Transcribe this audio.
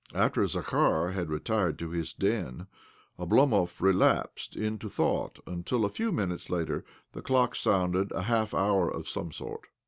After Zakhar had retired to his den Oblomov relapsed into thought, until, a few minutes later, the clock sounded a half hour of some sort.